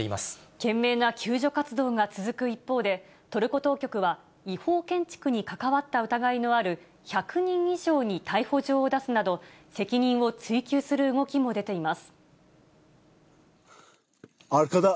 懸命な救助活動が続く一方で、トルコ当局は違法建築に関わった疑いのある１００人以上に逮捕状を出すなど、責任を追及する動きも出ています。